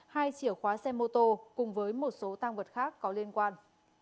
hai chìa khóa xe mô tô cùng với một số tăng vật khác có liên quan